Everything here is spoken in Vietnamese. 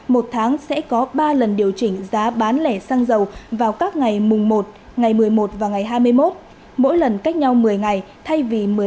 một tháng sẽ có ba lần điều chỉnh giá bán lẻ xăng dầu vào các ngày mùng một ngày một mươi một và ngày hai mươi một mỗi lần cách nhau một mươi ngày thay vì một mươi năm ngày như hiện nay